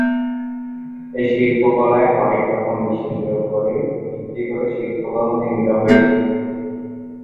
এই শিল্পকলায় হরেক রকম বিশ্বাসের উপরে ভিত্তি করে শিল্পকর্ম নির্মিত হয়েছে।